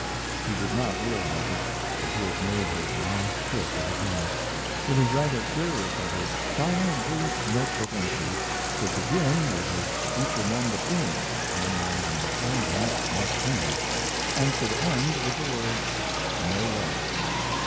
He did not realize it, but he had made his last trip as a pilot. It is rather curious that his final brief note book entry should begin with his future nom de plume a memorandum of soundings "mark twain," and should end with the words "no lead."